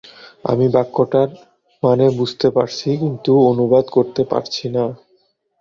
আমি বাক্যটার মানে বুঝতে পারছি, কিন্তু অনুবাদ করতে পারছি না।